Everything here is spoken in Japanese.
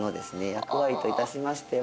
役割といたしましては